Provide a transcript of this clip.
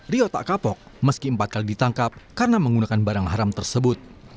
rio tak kapok meski empat kali ditangkap karena menggunakan barang haram tersebut